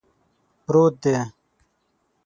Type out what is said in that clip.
پروت دی